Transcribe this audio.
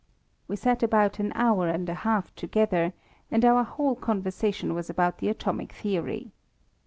We sat about an hour and a half together, and our whole conversation was about the atomic theory.